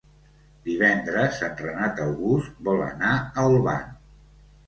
Divendres en Renat August vol anar a Olvan.